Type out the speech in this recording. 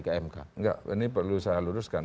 ke mk enggak ini perlu saya luruskan